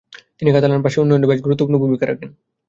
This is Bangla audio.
তিনি কাতালান ভাষার উন্নয়নেও বেশ গুরুত্বপূর্ণ ভূমিকা রাখেন।